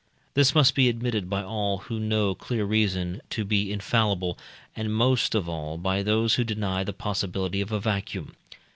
This must be admitted by all who know clear reason to be infallible, and most of all by those who deny the possibility of a vacuum.